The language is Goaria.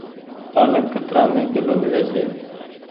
پآلڪ ڪترآ مي ڪلو ميلي ڇي۔